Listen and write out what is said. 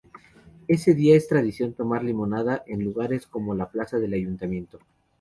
Ese día es tradición tomar limonada en lugares como la plaza del Ayuntamiento.